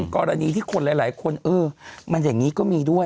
กรณีที่คนหลายลงก็ให้ินก็มีด้วย